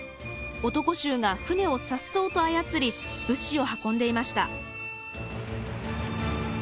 男衆が舟をさっそうと操り物資を運んでいました。